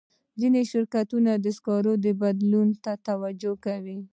ځینې شرکتونه د سکرو بدیلونو ته توجه کوي.